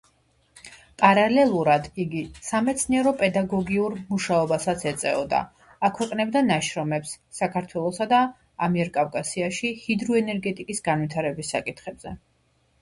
პარალელურად იგი სამეცნიერო-პედაგოგიურ მუშაობასაც ეწეოდა, აქვეყნებდა ნაშრომებს საქართველოსა და ამიერკავკასიაში ჰიდროენერგეტიკის განვითარების საკითხებზე.